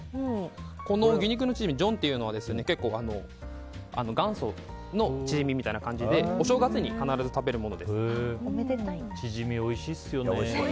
牛肉のチヂミジョンというのは結構元祖のチヂミみたいな感じでチヂミおいしいですよね。